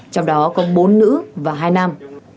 trong đó có bốn nữ và hai nam